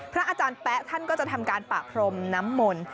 อาจารย์แป๊ะท่านก็จะทำการปะพรมน้ำมนต์